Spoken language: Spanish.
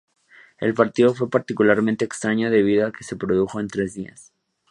El partido fue particularmente extraño debido a que se produjo en tres días.